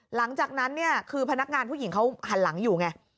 หลังจากนั้นเนี่ยคือพนักงานผู้หญิงเขาหันหลังอยู่ไง